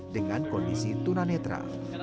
dengan kondisi tunanetra